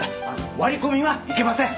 割り込みはいけません。